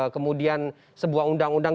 kemudian sebuah undang undang